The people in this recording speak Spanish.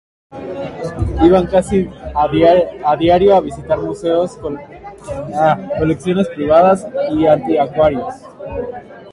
Iban casi a diario a visitar museos, colecciones privadas y anticuarios.